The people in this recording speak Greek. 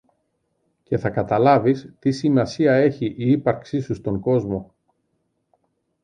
και θα καταλάβεις τι σημασία έχει η ύπαρξη σου στον κόσμο.